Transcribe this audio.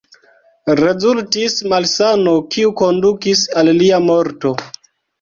Rezultis malsano, kiu kondukis al lia morto.